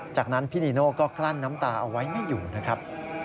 จากนั้นพี่นีโน่ก็กลั้นน้ำตาเอาไว้ไม่อยู่นะครับ